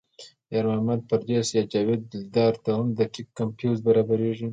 یار محمد پردیس یا جاوید دلدار ته هم دقیق کمپوز برابرېږي.